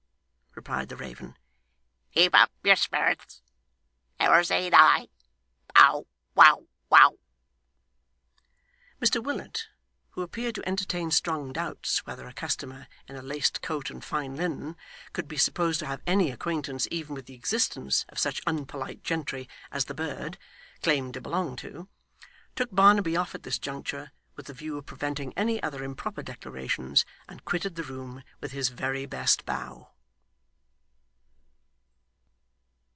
replied the raven, 'keep up your spirits. Never say die. Bow, wow, wow!' Mr Willet, who appeared to entertain strong doubts whether a customer in a laced coat and fine linen could be supposed to have any acquaintance even with the existence of such unpolite gentry as the bird claimed to belong to, took Barnaby off at this juncture, with the view of preventing any other improper declarations, and quitted the room with his very best bow.